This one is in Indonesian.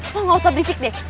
lo gak usah berisik deh